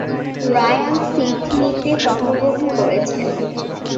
Ryan সিডনিতে জন্মগ্রহণ করেছেন।